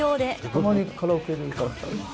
たまにカラオケで歌ったり？